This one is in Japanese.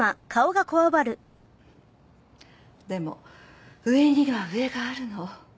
でも上には上があるの。